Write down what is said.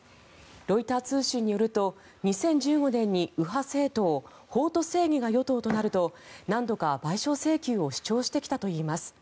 ロイター通信によると２０１５年に右派政党、法と正義が与党となると、何度か賠償請求を主張してきたといいます。